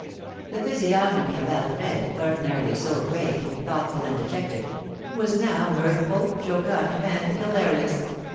The physiognomy of Alfred ordinarily so grave, thoughtful, and dejected was now mirthful, jocund, and hilarious.